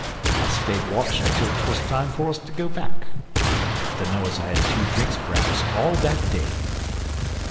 I stayed watchin' till 'twas time for us to go back. Dunno as I had two drinks p'raps, all that day.